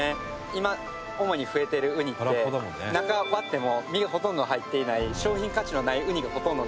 今主に増えてるウニって中を割っても身がほとんど入っていない商品価値のないウニがほとんどなんですよ。